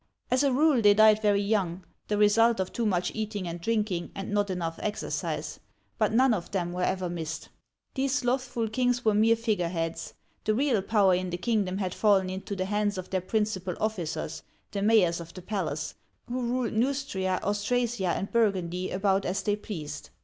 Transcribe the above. As a rule they died very young, the result of too much eatihg and drinking, and not enough exercise ; but none of them were ever missed. These slothful kings were mere figureheads. The real power in the kingdom had fallen into the hands of their principal officers, the mayors of the palace, who ruled Neustria, Austrasia, and Burgundy about as they pleased.